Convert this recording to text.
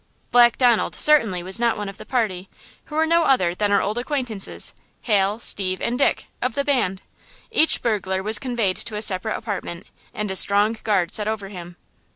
Black Donald certainly was not one of the party, who were no other than our old acquaintances–Hal, Steve and Dick–of the band! Each burglar was conveyed to a separate apartment and a strong guard set over him.